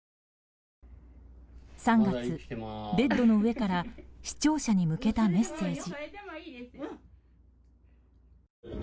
３月、ベッドの上から視聴者に向けたメッセージ。